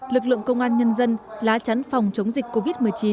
lực lượng công an nhân dân lá chắn phòng chống dịch covid một mươi chín